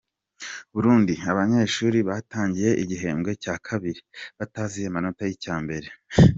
Burundi Abanyeshuri batangiye igihembwe cya kabiri batazi amanota y’icya mbere